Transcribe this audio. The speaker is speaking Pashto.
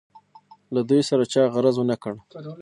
له دوی سره چا غرض ونه کړ.